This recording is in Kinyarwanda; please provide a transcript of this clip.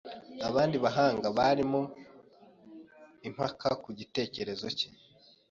Abandi bahanga barimo impaka ku gitekerezo cye